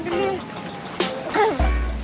gak tau nih